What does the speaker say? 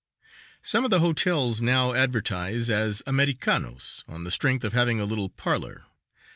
Some of the hotels now advertise as Americanos on the strength of having a little parlor.